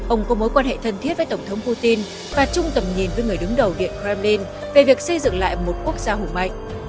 ông có mối quan hệ thân thiết với tổng thống putin và chung tầm nhìn với người đứng đầu điện kremlin về việc xây dựng lại một quốc gia hùng mạnh